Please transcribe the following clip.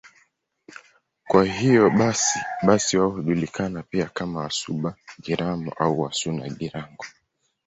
Kwa hiyo basi wao hujulikana pia kama Wasuba-Girango au Wasuna-Girango.